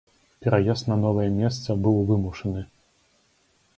Пераезд на новае месца быў вымушаны.